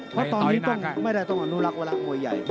เพราะตอนนี้ต้องไม่ได้ต้องอนุรักษ์มวยใหญ่